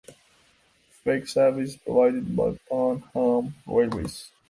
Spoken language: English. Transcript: Freight service is provided by Pan Am Railways.